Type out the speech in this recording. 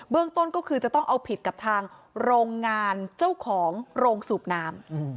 ต้นก็คือจะต้องเอาผิดกับทางโรงงานเจ้าของโรงสูบน้ำ